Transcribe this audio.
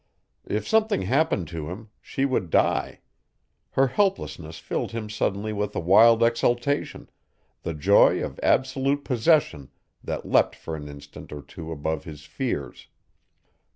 If something happened to him she would die. Her helplessness filled him suddenly with a wild exultation, the joy of absolute possession that leapt for an instant or two above his fears.